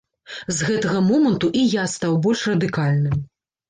З гэтага моманту і я стаў больш радыкальным.